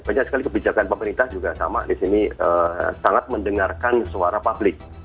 banyak sekali kebijakan pemerintah juga sama di sini sangat mendengarkan suara publik